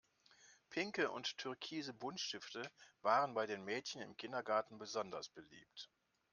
Pinke und türkise Buntstifte waren bei den Mädchen im Kindergarten besonders beliebt.